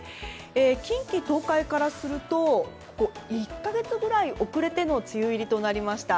近畿・東海からすると１か月ぐらい遅れての梅雨入りとなりました。